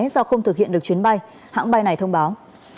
do không thực hiện được chuyến bay hãng bay này thông báo